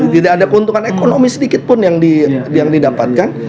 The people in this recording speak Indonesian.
tidak ada keuntungan ekonomi sedikit pun yang didapatkan